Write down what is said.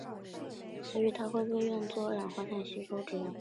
所以它会被用作吸收二氧化碳之用。